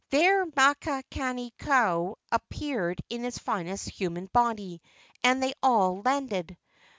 There Makani kau appeared in his finest human body, and they all landed.